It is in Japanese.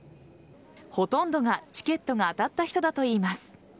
ほとんどがチケットが当たった人だといいます。